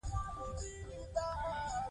د حرامو مالونو څخه ځان وژغورئ.